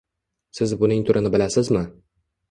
Siz buning turini bilasizmi